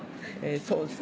そうです